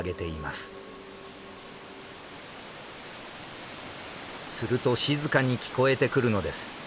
すると静かに聞こえてくるのです。